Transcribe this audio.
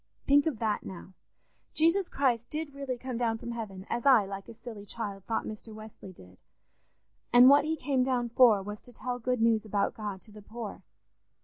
"Think of that now! Jesus Christ did really come down from heaven, as I, like a silly child, thought Mr. Wesley did; and what he came down for was to tell good news about God to the poor.